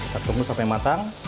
kita tembus sampai matang